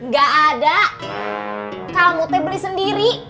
gak ada kamu beli sendiri